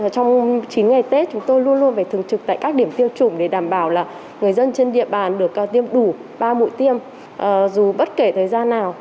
trong chín ngày tết chúng tôi luôn luôn phải thường trực tại các điểm tiêm chủng để đảm bảo là người dân trên địa bàn được tiêm đủ ba mũi tiêm dù bất kể thời gian nào